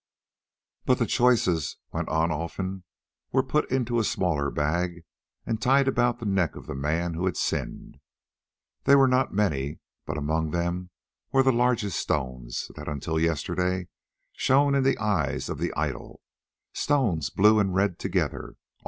"But the choicest," went on Olfan, "were put in a smaller bag, and tied about the neck of the man who had sinned. There were not many, but among them were the largest stones, that until yesterday shone in the eyes of the idol, stones blue and red together.